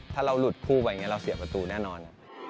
ถ้าเราหลุดเครื่องหลังก็เสียประตูแน่นอน